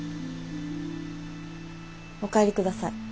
お帰りください。